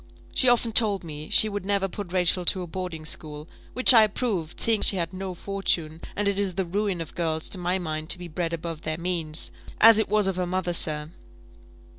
She often told me she would never put Rachel to a boarding school, which I approved, seeing she had no fortune; and it is the ruin of girls, to my mind, to be bred above their means as it was of her mother, sir.